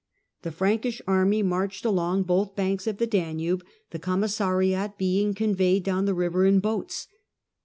The Frankish army marched along both banks of the Danube, the commissariat being conveyed down the river in boats.